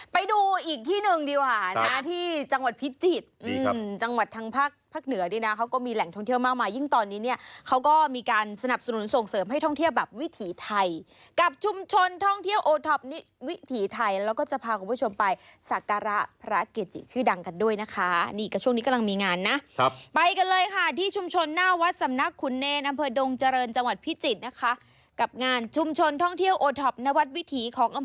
ไปดูอีกที่หนึ่งดีกว่านะที่จังหวัดพิจิตย์จังหวัดทางภาคภาคเหนือดีนะเขาก็มีแหล่งท่องเที่ยวมากมายิ่งตอนนี้เนี่ยเขาก็มีการสนับสนุนส่งเสริมให้ท่องเที่ยวแบบวิถีไทยกับชุมชนท่องเที่ยวโอท็อปนี้วิถีไทยแล้วก็จะพากับผู้ชมไปสักการะพระเกจิชื่อดังกันด้วยนะคะนี่ก็ช่วงนี้กำลังมี